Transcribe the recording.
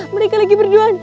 mereka lagi berduaan